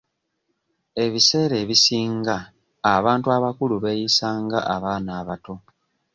Ebiseera ebisinga abantu abakulu beeyisa nga abaana abato.